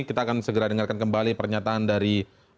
kita akan segera dengarkan kembali pernyataan dari